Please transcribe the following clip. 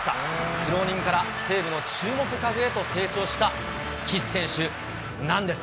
苦労人から、西武の注目株へと成長した岸選手なんです。